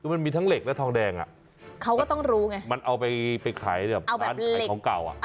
คือมันมีทั้งเหล็กและทองแดงอ่ะเขาก็ต้องรู้ไงมันเอาไปขายแบบร้านขายของเก่าอ่ะ